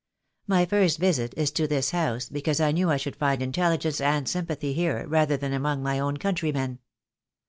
My first visit is to this house, because I knew I should find intelligence and sympathy here rather than among my own countrymen.